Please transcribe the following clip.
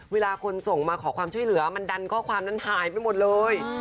เวลาคนส่งมาขอความช่วยเหลือมันดันข้อความนั้นหายไปหมดเลย